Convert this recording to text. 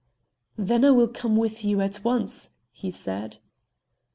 "Then I will come with you at once," he said.